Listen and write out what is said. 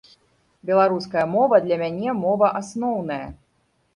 Беларуская мова для мяне мова асноўная.